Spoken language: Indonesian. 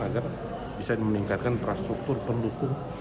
agar bisa meningkatkan infrastruktur pendukung